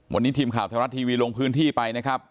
วันนี้ทีมข่าวไทยรัฐทีวีลงพื้นที่ไปนะครับ